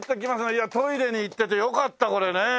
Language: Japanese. いやトイレに行っててよかったこれね。